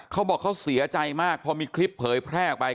เขาบอกเขาเสียใจมากพอมีคลิปเผยแพร่ออกไป